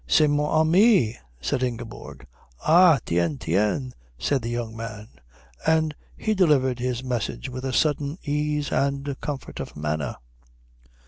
"C'est mon ami," said Ingeborg. "Ah tiens, tiens," said the young man; and he delivered his message with a sudden ease and comfort of manner.